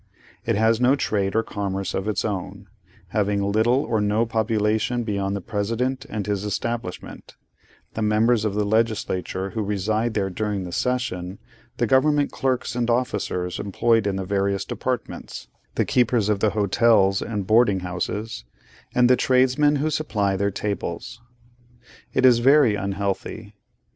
It has no trade or commerce of its own: having little or no population beyond the President and his establishment; the members of the legislature who reside there during the session; the Government clerks and officers employed in the various departments; the keepers of the hotels and boarding houses; and the tradesmen who supply their tables. It is very unhealthy.